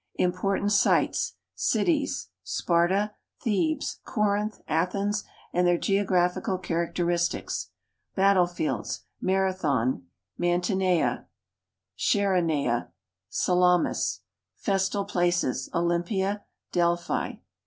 Important sites. Cities: Sparta, Thebes, Corinth, Athens, and their geographical characteristics. Battlefields : Marathon, Mantinea, Chsero nea, Salamis. Festal places : Olympia, Delphi.